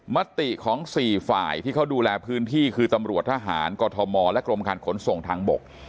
มติของ๔ฝ่ายที่เขาดูแลพื้นที่คือตำรวจทหารกอทมและกรมการขนส่งทางบก